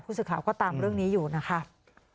พูดสิทธิ์ข่าวก็ตามเรื่องนี้อยู่นะครับ